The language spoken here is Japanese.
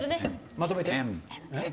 まとめて。